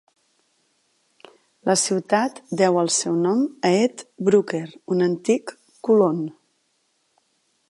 La ciutat deu el seu nom a Ed Brooker, un antic colon.